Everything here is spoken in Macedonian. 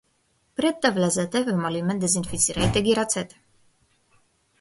„Пред да влезете ве молиме дезинфицирајте ги рацете“